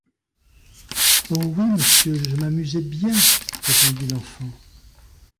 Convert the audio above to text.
Oh! oui, monsieur, je m’amusais bien, répondit l’enfant.